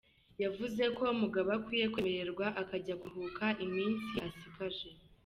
Yavuze ko Mugabe akwiye kwemererwa akajya kuruhuka iminsi ye asigaje.